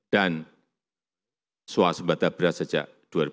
dan suasana batas berat sejak dua ribu sembilan belas